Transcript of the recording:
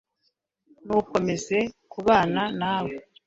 Ntukomeze kubana nawe